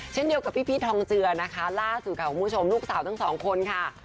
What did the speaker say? เช่นเดียวกับพี่พีชทองเจือนะคะล่าสุดค่ะคุณผู้ชมลูกสาวทั้งสองคนค่ะ